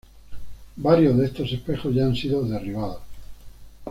Varios de estos espejos ya han sido derribados.